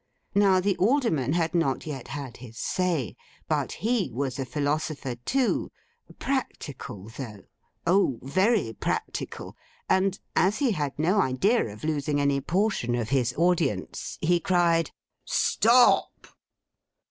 Now, the Alderman had not yet had his say, but he was a philosopher, too—practical, though! Oh, very practical—and, as he had no idea of losing any portion of his audience, he cried 'Stop!